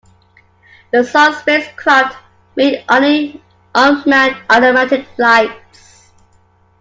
The Zond spacecraft made only unmanned automatic flights.